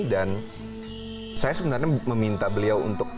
dan saya sebenarnya meminta beliau untuk